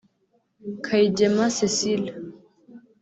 Kayigema Cecile